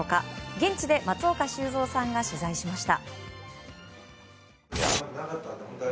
現地で松岡修造さんが取材しました。